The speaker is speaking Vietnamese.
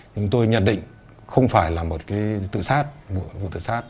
thì tôi nhận định không phải là một cái tự sát